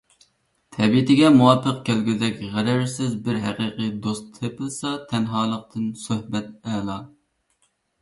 تەبىئىتىگە مۇۋاپىق كەلگۈدەك غەرەزسىز بىر ھەقىقىي دوست تېپىلسا، تەنھالىقتىن سۆھبەت ئەلا.